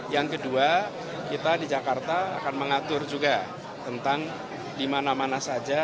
yang kedua kita di jakarta akan mengatur juga tentang di mana mana saja